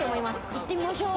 行ってみましょう。